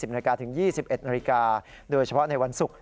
๒๐นถึง๒๑นโดยเฉพาะในวันศุกร์